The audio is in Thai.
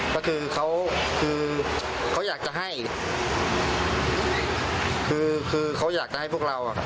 ก็คือเขาคือเขาอยากจะให้คือคือเขาอยากจะให้พวกเราอ่ะ